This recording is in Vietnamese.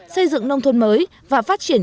xây dựng nông thuận mới và phát triển